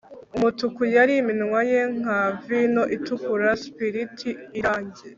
umutuku yari iminwa ye nka vino itukura-spilith irangi